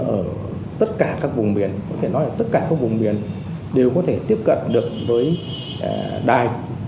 ở tất cả các vùng biển có thể nói là tất cả các vùng miền đều có thể tiếp cận được với đài